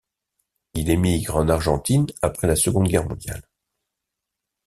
Il émigre en Argentine après la Seconde Guerre mondiale.